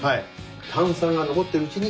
炭酸が残ってるうちに。